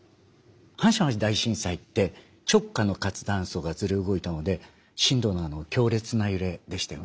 阪神・淡路大震災って直下の活断層がずれ動いたので震度の強烈な揺れでしたよね。